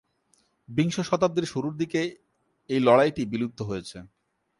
বিংশ শতাব্দীর শুরুর দিকে এই লড়াইটি বিলুপ্ত হয়েছে।